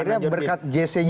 dan akhirnya berkat jc nya